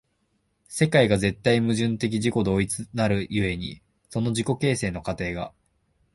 世界が絶対矛盾的自己同一的なる故に、その自己形成の過程が